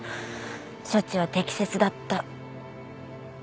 処置は適切だった。